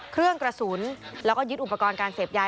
เครื่องกระสุนแล้วก็ยึดอุปกรณ์การเสพยา